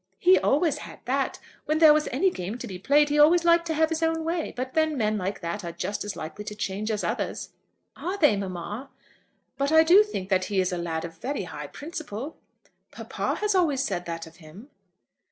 "He always had that. When there was any game to be played, he always liked to have his own way. But then men like that are just as likely to change as others." "Are they, mamma?" "But I do think that he is a lad of very high principle." "Papa has always said that of him."